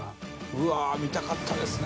うわー見たかったですね